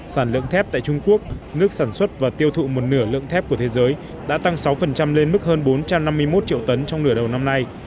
sản lượng thép tại trung quốc nước sản xuất và tiêu thụ một nửa lượng thép của thế giới đã tăng sáu lên mức hơn bốn trăm năm mươi một triệu tấn trong nửa đầu năm nay